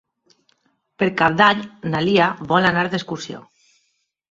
Per Cap d'Any na Lia vol anar d'excursió.